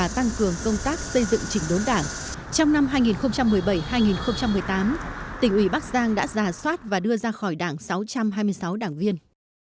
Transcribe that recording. trong năm hai nghìn một mươi bảy hai nghìn một mươi tám tỉnh ủy bắc giang đã giả soát và đưa ra khỏi đảng sáu trăm hai mươi sáu đảng viên